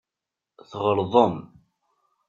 Tɣelḍem.